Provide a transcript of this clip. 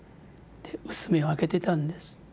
薄目を開けてたんです。